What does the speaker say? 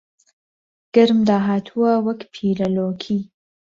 گەرم داهاتووە وەک پیرە لۆکی